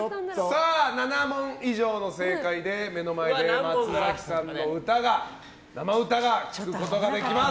７問以上の正解で、目の前で松崎さんの生歌が聴くことができます。